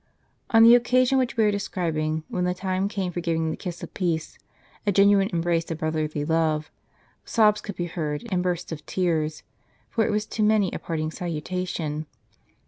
On the occasion which we are describing, when the time came for giving the kiss of peace — a genuine embrace of brotherly love — sobs could be heard and bursts of tears ; for it was to many a parting salutation.